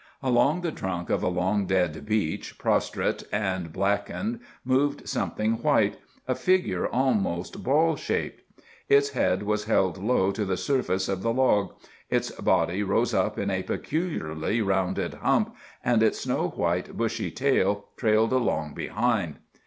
Along the trunk of a long dead beech, prostrate and blackened, moved something white, a figure almost ball shaped. Its head was held low to the surface of the log; its body rose up in a peculiarly rounded hump, and its snow white, bushy tail trailed along behind.